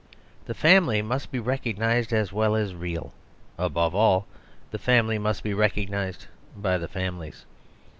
The family must be recog nised as well as real; above all, the family must be recognised by the families.